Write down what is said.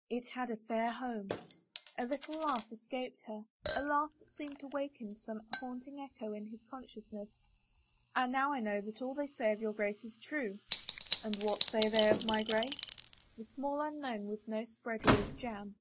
" It had a fair home." A little laugh escaped her — a laugh that seemed to waken some haunting echo in his consciousness. " Ah, now I know all that they say of your Grace is true !"" And what 5ay they of my Grace ?" But the small unknown was no spreader of jam.